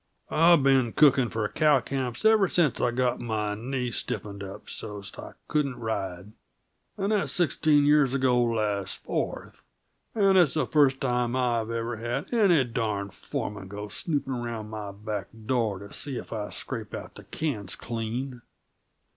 "I've been cookin' for cow camps ever since I got my knee stiffened up so's't I couldn't ride and that's sixteen year ago last Fourth and it's the first time I ever had any darned foreman go snoopin' around my back door to see if I scrape out the cans clean!"